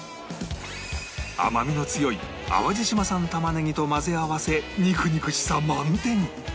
甘みの強い淡路島産玉ねぎと混ぜ合わせ肉々しさ満点